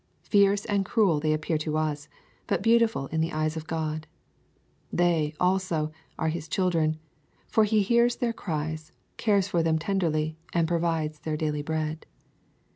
Fierce and cruel they appear to us, but beautiful in the eyes of God. They, also, are his children, for He hears their cries, cares for them tenderly, and provides their daily bread.